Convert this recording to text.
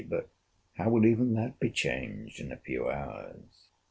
—But how will even that be changed in a few hours!